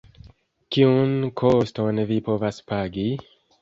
Kiun koston vi povas pagi?